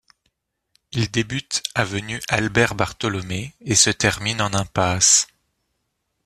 Il débute avenue Albert-Bartholomé et se termine en impasse.